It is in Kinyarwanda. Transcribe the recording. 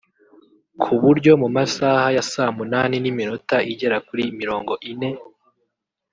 ku buryo mu masaha ya saa munani n’iminota igera kuri mirongo ine